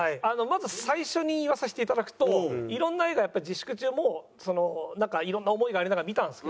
まず最初に言わさせていただくといろんな映画やっぱ自粛中もなんかいろんな思いがありながら見たんですけど。